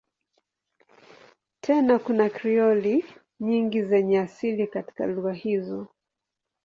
Tena kuna Krioli nyingi zenye asili katika lugha hizo.